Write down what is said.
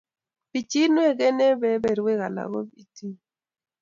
Bichiinwek eng kebeberwek alak ko ikimiiti mungaret